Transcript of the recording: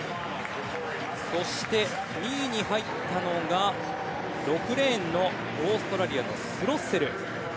そして２位に入ったのが６レーンのオーストラリアのスロッセル。